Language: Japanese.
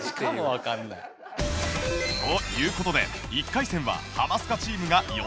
という事で１回戦はハマスカチームが４０点リード